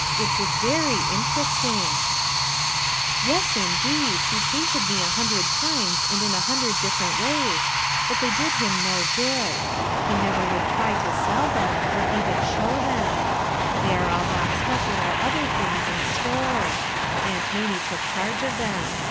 It was very interesting," 292 RUTH ERSKINE'S SON 44 Yes, indeed 1 he painted me a hundred tim^ and in a hundred different ways, but they dy him no good; he never would try to sell them nor even show them They arc all boxed u p urith our other things and stored ; Aunt Mamie took charge of them.